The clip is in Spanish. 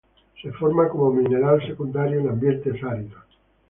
Se forma como mineral secundario en ambientes áridos.